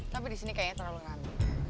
tapi di sini kayaknya terlalu rame